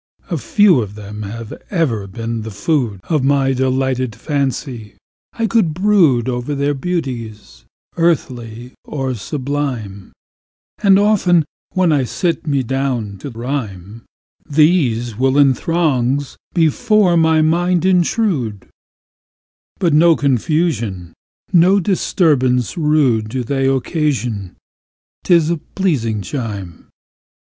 A few of them have ever been the foodOf my delighted fancy,—I could broodOver their beauties, earthly, or sublime:And often, when I sit me down to rhyme, These will in throngs before my mind intrude:But no confusion, no disturbance rudeDo they occasion; 'tis a pleasing chime.